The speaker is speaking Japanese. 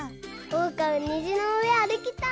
おうかもにじのうえあるきたい！